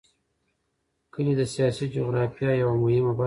کلي د سیاسي جغرافیه یوه مهمه برخه ده.